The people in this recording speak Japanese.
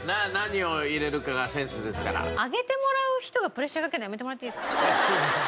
揚げてもらう人がプレッシャーかけるのやめてもらっていいですか？